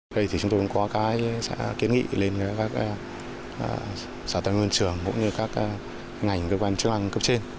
đây thì chúng tôi có cái sẽ kiến nghị lên các sở tầng môi trường cũng như các ngành cơ quan chức năng cấp trên